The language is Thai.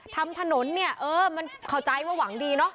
ทำถนนเนี่ยเออมันเข้าใจว่าหวังดีเนอะ